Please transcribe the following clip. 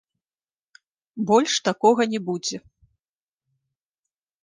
Больш такога не будзе.